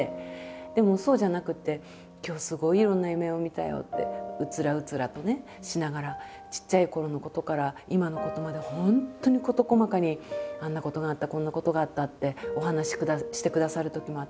でもそうじゃなくて「今日すごいいろんな夢を見たよ」ってうつらうつらとねしながらちっちゃいころのことから今のことまで本当に事細かにあんなことがあったこんなことがあったってお話ししてくださるときもあって。